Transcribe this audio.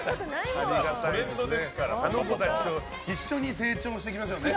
あの子たちと一緒に成長していきましょうね。